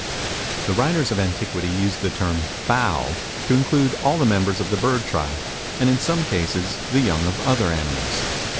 The writers of antiquity used the term fowl to include all the members of the bird tribe and, in some cases, the young of other animals.